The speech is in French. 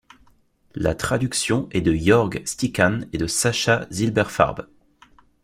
La traduction est de Jörg Stickan et de Sacha Zilberfarb.